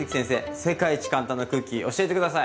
世界一簡単なクッキー教えて下さい。